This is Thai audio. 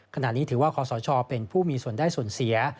ขณะนี้ถือว่าคอสชเป็นผู้มีส่วนได้ส่วนเสีย